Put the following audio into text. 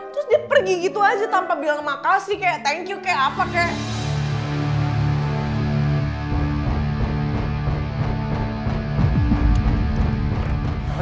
terus dia pergi gitu aja tanpa bilang makasih kayak thank you kayak apa kayak